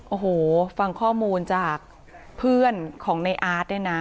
โอ้โหฟังข้อมูลจากเพื่อนของในอาร์ตเนี่ยนะ